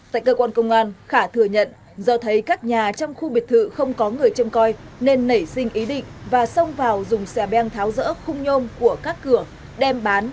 tại cơ quan công an khà thừa nhận do thấy các nhà trong khu biệt thự không có người châm coi nên nảy sinh ý định và xông vào dùng xe beng tháo rỡ khung nhôm của các cửa đem bán